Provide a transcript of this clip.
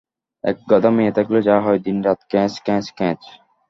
একগাদা মেয়ে থাকলে যা হয়, দিন-রাত ক্যাঁচ- ক্যাঁচ-ক্যাঁচ-ক্যাঁচ।